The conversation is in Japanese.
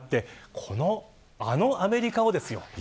あのアメリカをですよ。